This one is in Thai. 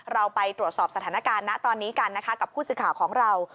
เราไปตรวจสอบสถานการณ์นะตอนนี้กันนะคะกับผู้สื่อข่าวของเรา